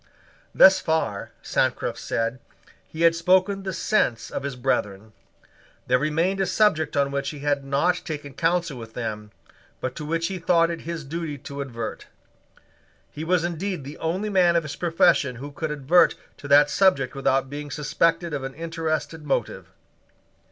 Thus far, Sancroft said, he had spoken the sense of his brethren. There remained a subject on which he had not taken counsel with them, but to which he thought it his duty to advert. He was indeed the only man of his profession who could advert to that subject without being suspected of an interested motive.